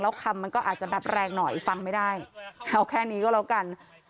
แล้วคำมันก็อาจจะแบบแรงหน่อยฟังไม่ได้เอาแค่นี้ก็แล้วกัน